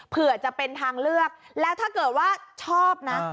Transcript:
เผื่อจะเป็นทางเลือกแล้วถ้าเกิดว่าชอบนะ